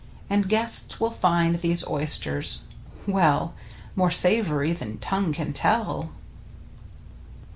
And guests will find these oysters — Well, More savory than tongue can tell!